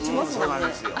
そうなんですよ。